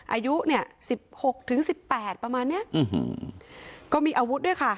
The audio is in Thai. อายุเนี่ยสิบหกถึงสิบแปดประมาณเนี้ยอืมก็มีอาวุธด้วยค่ะ